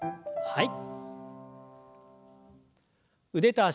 はい。